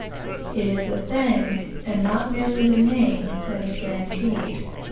It is the thing, and not merely the name, that is guarantied.